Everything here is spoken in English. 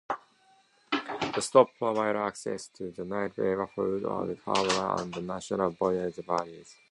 The stop provides access to the neighbourhood of Cabra and the National Botanic Gardens.